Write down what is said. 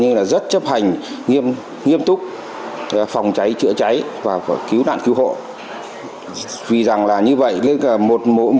đều được tập huấn về công tác phòng cháy cháy cơ sở